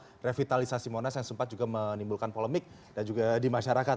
terkait revitalisasi monas yang sempat juga menimbulkan polemik dan juga di masyarakat